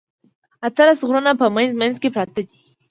اتلس غرونه په منځ منځ کې پراته دي.